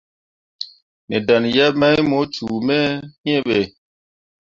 Me dan yeb mai mu cume iŋ be.